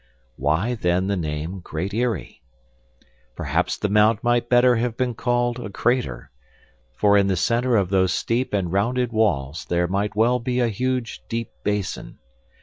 Why then the name Great Eyrie? Perhaps the mount might better have been called a crater, for in the center of those steep and rounded walls there might well be a huge deep basin.